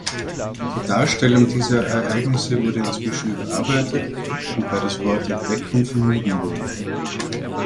Die Darstellung dieser Ereignisse wurde inzwischen überarbeitet, wobei das Wort Entdeckung vermieden wurde.